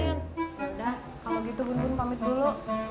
udah kalau gitu bun bun pamit dulu